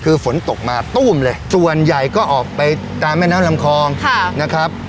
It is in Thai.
คือฝนตกมาตู้มเลยส่วนใหญ่ก็ออกไปตามแม่น้ำลำคลองนะครับ